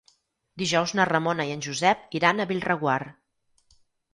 Dijous na Ramona i en Josep iran a Bellreguard.